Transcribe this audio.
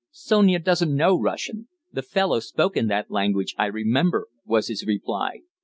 "Sonia doesn't know Russian. The fellow spoke in that language, I remember," was his reply.